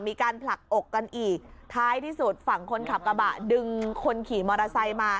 มีการผลักอกกันอีกท้ายที่สุดฝั่งคนขับกระบะดึงคนขี่มอเตอร์ไซค์มา